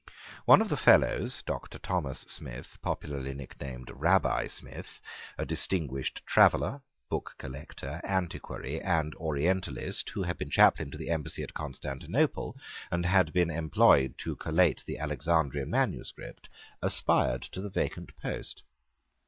One of the Fellows, Doctor Thomas Smith, popularly nicknamed Rabbi Smith, a distinguished traveller, book collector, antiquary, and orientalist, who had been chaplain to the embassy at Constantinople, and had been employed to collate the Alexandrian manuscript, aspired to the vacant post.